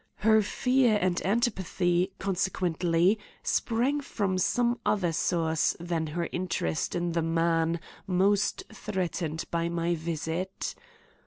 Her fear and antipathy, consequently, sprang from some other source than her interest in the man most threatened by my visit.